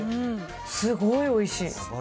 すごいおいしい。